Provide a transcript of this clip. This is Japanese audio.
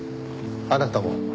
あなたも？